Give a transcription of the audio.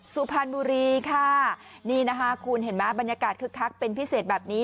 สุพรรณบุรีค่ะนี่นะคะคุณเห็นไหมบรรยากาศคึกคักเป็นพิเศษแบบนี้